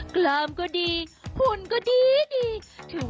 กล้ามก็ดีหุ่นก็ดี